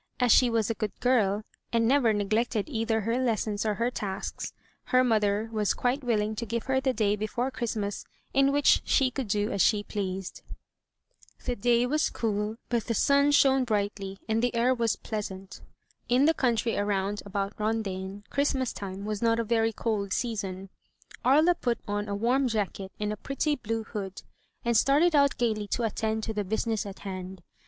As she was a good girl, and never neglected either her lessons or her tasks, her mother was quite willing to give her the day before Christmas in which she could do as she pleased. 255 M Y BOOK HOUSE The day was cool, but the sun shone brightly and the air was pleasant. In the country around about Rondaine Christmas time was not a very cold season. Aria put on a warm jacket and a pretty blue hood, and started out gayly to attend to the business in hand.